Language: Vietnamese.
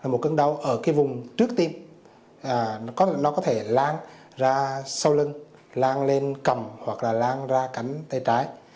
một cơn đau ở cái vùng trước tim nó có thể lan ra sâu lưng lan lên cầm hoặc là lan ra cánh tay trái